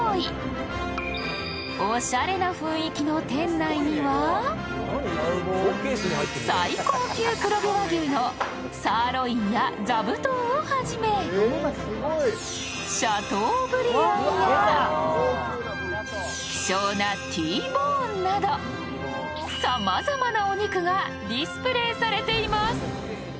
おしゃれな雰囲気の店内には最高級黒毛和牛のサーロインやザブトンをはじめシャトーブリアンや希少なＴボーンなどさまざまなお肉がディスプレーされています。